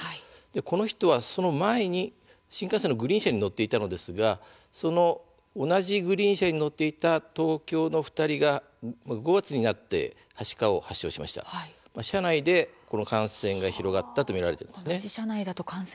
この人はその前に新幹線のグリーン車乗っていたんですが同じグリーン車に乗っていた東京の２人は５月になってはしかを発症しましたが車内で感染が広がったと見られています。